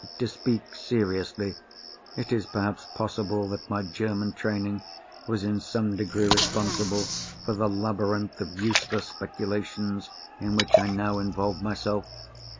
To speak seriously, it is perhaps possible that my German training was in some degree responsible for the labyrinth of useless speculations in which I now involved myself.